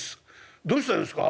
どうしたんですか？」。